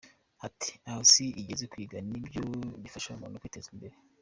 Ati “ Aho isi igeze kwiga nibyo bifasha umuntu kwiteza imbere .